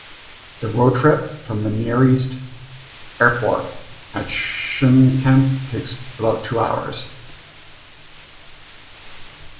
The road trip from the nearest airport at Shymkent takes about two hours.